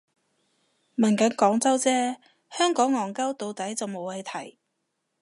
問緊廣州啫，香港戇 𨳊 到底就無謂提